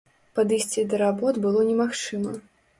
Падысці да работ было немагчыма.